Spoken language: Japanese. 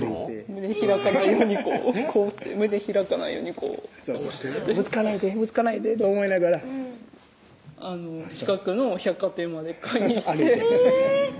胸開かないようにこうして胸開かないようにこうぶつからないでぶつからないでと思いながら近くの百貨店まで買いに行ってえぇ！